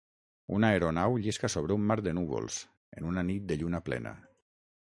Una aeronau llisca sobre un mar de núvols, en una nit de lluna plena.